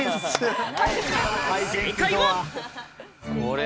正解は。